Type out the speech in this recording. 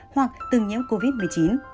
hoặc từng nhiễm covid một mươi chín